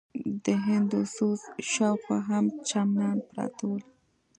د هندوسوز شاوخوا هم چمنان پراته ول.